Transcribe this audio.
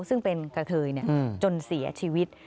ซึ่งเป็นกระเทยจนเสียชีวิต